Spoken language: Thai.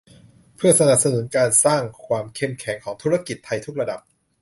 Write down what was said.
เพื่อสนับสนุนการสร้างความเข้มแข็งของธุรกิจไทยทุกระดับ